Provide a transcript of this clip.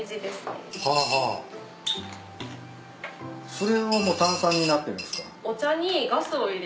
それは炭酸になってるんすか？